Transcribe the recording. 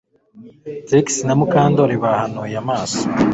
Trix na Mukandoli bahanuye amaso